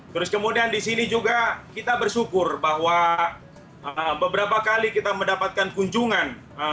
terus kemudian di sini juga kita bersyukur bahwa beberapa kali kita mendapatkan kunjungan